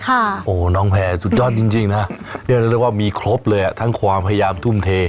โอ้โหน้องแพร่สุดยอดจริงจริงนะเรียกได้ว่ามีครบเลยอ่ะทั้งความพยายามทุ่มเท